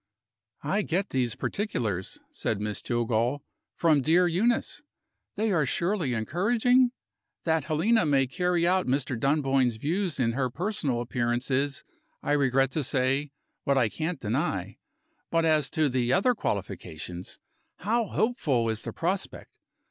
"I get these particulars," said Miss Jillgall, "from dear Euneece. They are surely encouraging? That Helena may carry out Mr. Dunboyne's views in her personal appearance is, I regret to say, what I can't deny. But as to the other qualifications, how hopeful is the prospect!